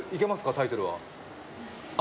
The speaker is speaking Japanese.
タイトルはあ